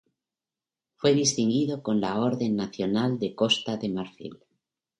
Fue distinguido con la Orden Nacional de Costa de Marfil.